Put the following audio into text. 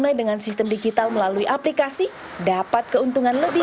dengan sistem digital melalui aplikasi dapat keuntungan lebih